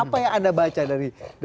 apa yang anda baca dari pengakuan anda